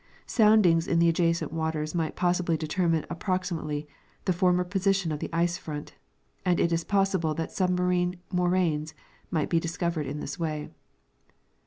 Soundings in the adjacent waters might possibly determine approximately the former position of the ice front, and it is possible that submarine moraines might be discovered in this way.